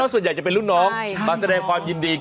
มาส่วนใหญ่น้องมาแสดงความยินดี